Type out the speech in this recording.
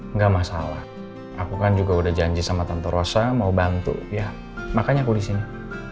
enggak masalah aku kan juga udah janji sama tante rosa mau bantu ya makanya aku di sini